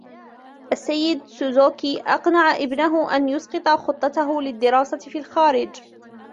السيد. سوزوكي أقنع إبنهُ أن يُسقِط خطتهُ للدراسة بالخارج.